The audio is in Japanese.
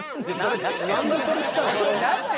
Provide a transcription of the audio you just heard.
何でそれしたい？